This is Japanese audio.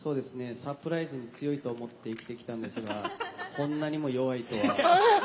サプライズに強いと思って生きてきたんですがこんなにも弱いとは。